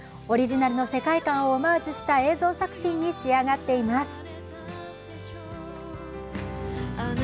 オリジナルの世界観をオマージュした映像作品に仕上がっています。